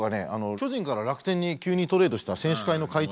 巨人から楽天に急にトレードした選手会の会長。